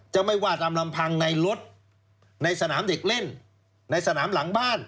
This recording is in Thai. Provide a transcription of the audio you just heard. จะไม่ว่าตามลำพังในรถในสนามเด็กเล่นในสนามหลังบ้าน